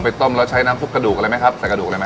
ต้มแล้วใช้น้ำซุปกระดูกอะไรไหมครับใส่กระดูกอะไรไหม